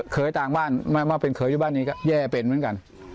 เคยต่างบ้านมาเป็นเคยอยู่บ้านนี้ก็แย่เป็นเหมือนกัน